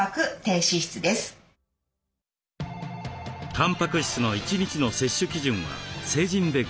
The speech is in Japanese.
たんぱく質の一日の摂取基準は成人で５０６５グラム。